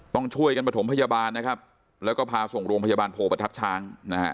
ต้องช่วยกันมาทำพยาบาลนะครับแล้วก็พาส่งรวมพยาบาลโภษณ์ประทับช้าง